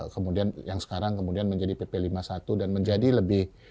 kemudian yang sekarang kemudian menjadi pp lima puluh satu dan menjadi lebih